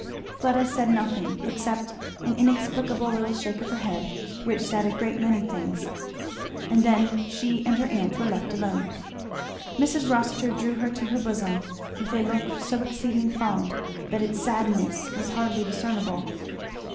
Fleda said nothing, except an inexplicable little shake of her head which said a great many things; and then she and her aunt were left alone. Mrs. Rossitur drew her to her bosom with a look so exceeding fond that its sadness was hardly discernible.